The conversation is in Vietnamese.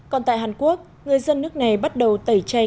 còn tại hàn quốc người dân nước này bắt đầu tẩy chay